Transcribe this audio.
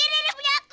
sini diri punya aku